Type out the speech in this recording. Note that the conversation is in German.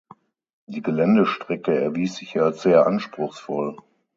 Die Geländestrecke erwies sich als sehr anspruchsvoll.